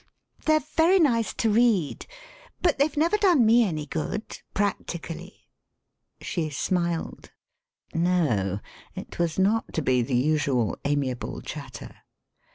They're very nice to read, but they've never done me any good — practically." She snuled, (No; it was not to be the usual amiable chat ter!)